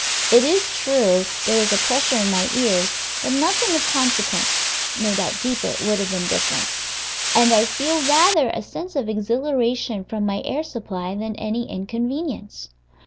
It is true there is a pressure in my ears, but nothing of consequence (no doubt deeper it would have been different), and I feel rather a sense of exhilaration from my air supply than any inconvenience.